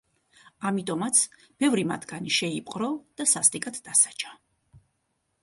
ამიტომაც ბევრი მათგანი შეიპყრო და სასტიკად დასაჯა.